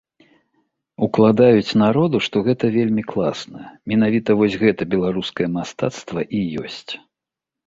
Укладаюць народу, што гэта вельмі класна, менавіта вось гэта беларускае мастацтва і ёсць.